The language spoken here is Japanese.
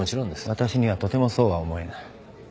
私にはとてもそうは思えない。